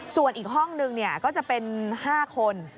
ส่วนอีกห้องนึงก็จะเป็น๕คน